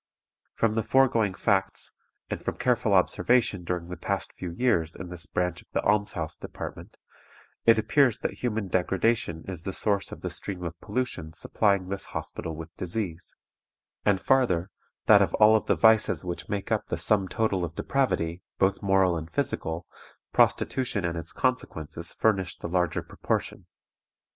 From the foregoing facts, and from careful observation during the past few years in this branch of the Alms house Department, it appears that human degradation is the source of the stream of pollution supplying this hospital with disease; and farther, that of all the vices which make up the sum total of depravity, both moral and physical, prostitution and its consequences furnish the larger proportion.